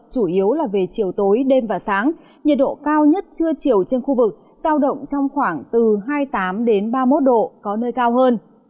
chủ yếu là về chiều tối đêm và sáng nhiệt độ cao nhất trưa chiều trên khu vực giao động trong khoảng từ hai mươi tám ba mươi một độ có nơi cao hơn